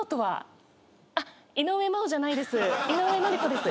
井上真央じゃないです。